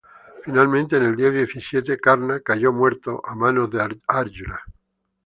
Finalmente, en el día diecisiete, Karna cayó muerto a manos de Áryuna.